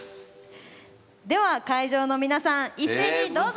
では会場の皆さん一斉にどうぞ！